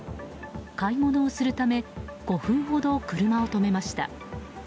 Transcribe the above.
買い物をするため５分ほど車を止めました。